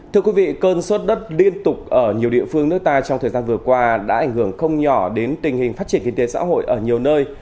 thưa quý vị cơn sốt đất liên tục ở nhiều địa phương nước ta trong thời gian vừa qua đã ảnh hưởng không nhỏ đến tình hình phát triển kinh tế xã hội ở nhiều nơi